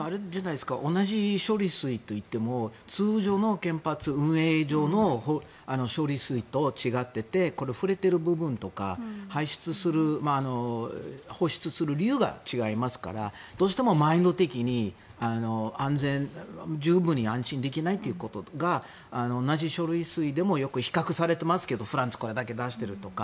同じ処理水といっても通常の原発運営上の処理水と違っていて触れている部分とか放出する理由が違いますからどうしてもマインド的に安全十分に安心できないことが同じ処理水でもよく比較されていますけどフランスはこれだけ出しているとか。